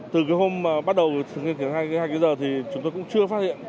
từ cái hôm bắt đầu thực hiện hai cái giờ thì chúng tôi cũng chưa phát hiện